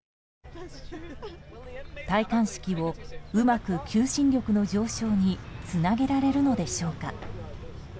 戴冠式を、うまく求心力の上昇につなげられるのでしょうか。